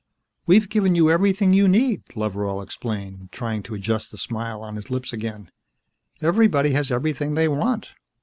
"We've given you everything you need," Loveral explained, trying to adjust the smile on his lips again. "Everybody has everything they want.